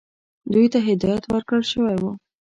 دوی ته هدایت ورکړل شوی وو.